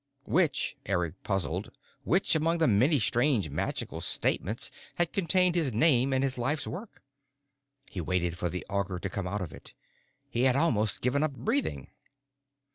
Which, Eric puzzled, which among the many strange magical statements had contained his name and his life's work? He waited for the Augur to come out with it. He had almost given up breathing.